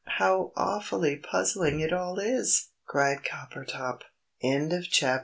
How awfully puzzling it all is!" cried Coppertop. CHAPTER VIII.